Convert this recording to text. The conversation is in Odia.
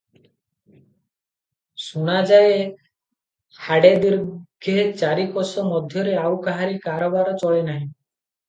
ଶୁଣାଯାଏ, ଆଡ଼େ ଦୀର୍ଘେ ଚାରି କୋଶ ମଧ୍ୟରେ ଆଉ କାହାରି କାରବାର ଚଳେନାହିଁ ।